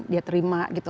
dia terima gitu